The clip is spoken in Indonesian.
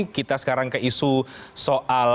kita sekarang ke isu soal